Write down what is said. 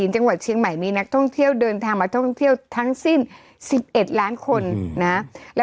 จังหวัดเชียงใหม่มีนักท่องเที่ยวเดินทางมาท่องเที่ยวทั้งสิ้น๑๑ล้านคนนะ